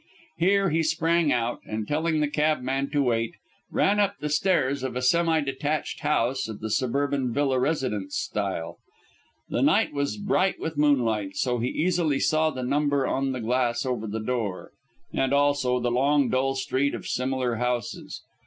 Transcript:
Here he sprang out, and telling the cabman to wait, ran up the steps of a semi detached house of the suburban villa residence style. The night was brilliant with moonlight, so he easily saw the number on the glass over the door, and also the long, dull street of similar houses.